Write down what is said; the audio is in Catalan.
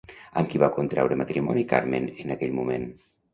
Amb qui va contraure matrimoni Carmen en aquell moment?